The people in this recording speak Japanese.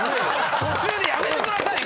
途中でやめてください。